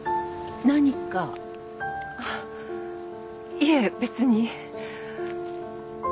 いえ別に。